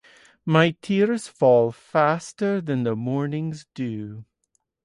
My tears fall faster than the morning's dew.